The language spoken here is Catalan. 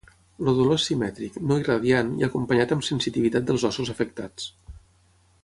El dolor és simètric, no irradiant i acompanyat amb sensitivitat dels ossos afectats.